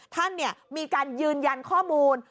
ท่านมีการยืนยันข้อมูล